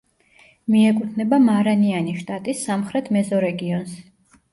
მიეკუთვნება მარანიანის შტატის სამხრეთ მეზორეგიონს.